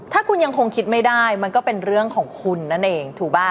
ถ้าคุณยังคงคิดไม่ได้มันก็เป็นเรื่องของคุณนั่นเองถูกป่ะ